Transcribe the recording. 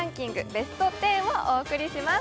ＢＥＳＴ１０をお送りします。